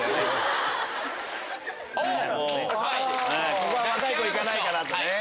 ここは若い子行かないから。